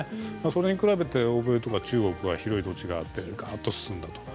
それに比べて欧米や中国は広い土地があって進んだと。